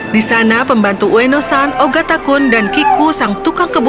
di sana pembantu ueno san ogatakun dan kiku sang tukang kebun